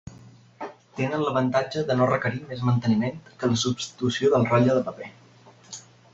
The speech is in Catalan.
Tenen l'avantatge de no requerir més manteniment que la substitució del rotlle de paper.